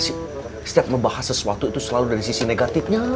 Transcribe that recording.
setiap membahas sesuatu itu selalu dari sisi negatifnya